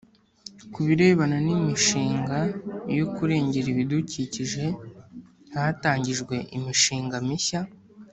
ku birebana n imishinga yo kurengera ibidukikije hatangijwe imishinga mishya.